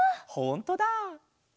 ほんとだ！